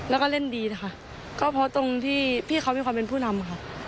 แล้วก็เล่นดีนะคะก็เพราะตรงที่พี่เขามีความเป็นผู้นำค่ะ